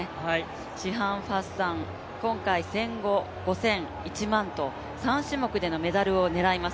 シファン・ハッサン、今回１５００、５０００１００００と３種目でのメダルを狙います。